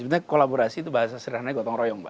sebenarnya kolaborasi itu bahasa srihananya gotong royong mbak